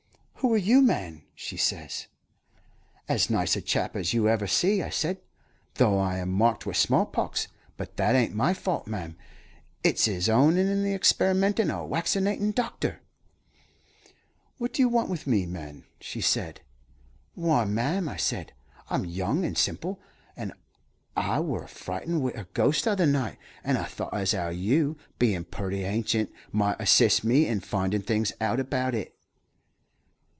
"'Who are you, man?' she says. "'As nice a chap as you ever see,' I said, 'though I am marked wi' small pox. But that ain't my fault, ma'am; it is owin' to the experimentin' o' a waccinatin' doctor.' "'What do you want with me, man?' she said. "'Why, ma'am,' I said, 'I'm young and simple, and I wur frightened wi' a ghost t'other night, and I thought as how you, bein' purty hancient, might assist me in findin' things out about it.'